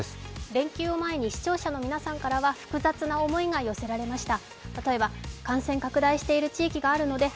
連休前に視聴者の皆さんからは、複雑な思いが寄せられました。